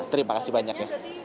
terima kasih banyak